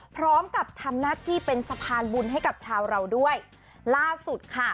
พร้อมกับทำหน้าที่เป็นสะพานบุญให้กับชาวเราด้วยล่าสุดค่ะ